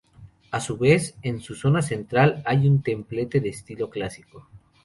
A su vez, en su zona central hay un templete de estilo clásico.